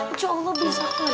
insya allah bisa kerjanya